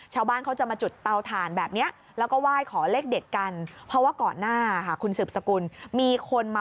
ชาวบ้านเขาจะมาจุดเตาถ่านแบบนี้